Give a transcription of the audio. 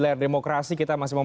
cara untuk menjatuhkan